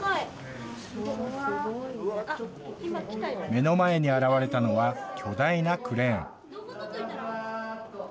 目の前に現れたのは、巨大なクレーン。